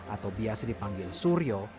atau bias dipanggil suryo